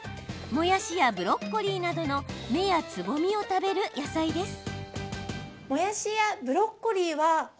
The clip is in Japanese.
もやしやブロッコリーなどの芽やつぼみを食べる野菜です。